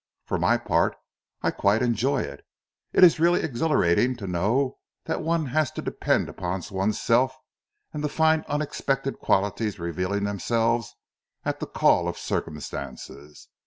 For my part I quite enjoy it. It is really exhilarating to know that one has to depend upon one's self, and to find unexpected qualities revealing themselves at the call of circumstances.